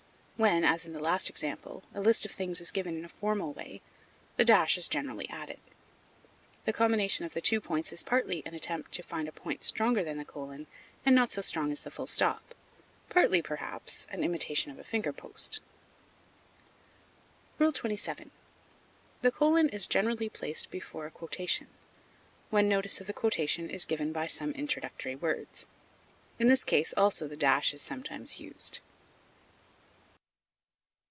When, as in the last example, a list of things is given in a formal way, the dash is generally added. The combination of the two points is partly an attempt to find a point stronger than the colon and not so strong as the full stop, partly, perhaps, an imitation of a finger post. XXVII. The colon is generally placed before a quotation, when notice of the quotation is given by some introductory words. In this case also the dash is sometimes used.